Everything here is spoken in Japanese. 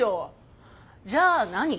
じゃあ何？